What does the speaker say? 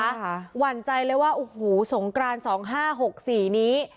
หวั่นใจเลยว่าโอ้โหสงกรานสองห้าหกสี่นี้